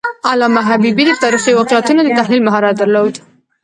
علامه حبیبي د تاریخي واقعیتونو د تحلیل مهارت درلود.